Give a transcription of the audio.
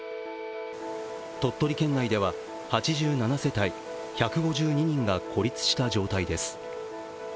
鳥取県内では８７世帯、１５２人が孤立した状態です。